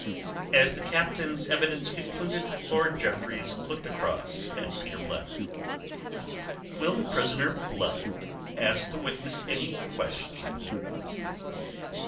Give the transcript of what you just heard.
As the Captain's evidence concluded, Lord Jeffreys looked across at Peter Blood. "Will the prisoner Blood ask the witness any questions?"